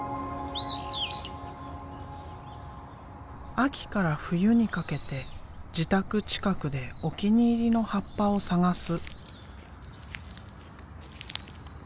秋から冬にかけて自宅近くでお気に入りの葉っぱを探す。